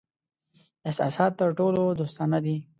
احساسات تر ټولو دوستانه دي.